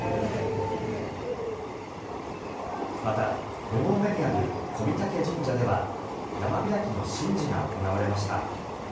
また５合目にある小御嶽神社では山開きの神事が行われました。